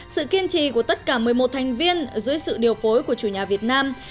sự kiên trì của tất cả một mươi một thành viên dưới sự điều phối của chủ nhà việt nam